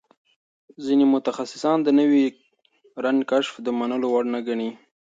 ځینې متخصصان د نوي رنګ کشف د منلو وړ نه ګڼي.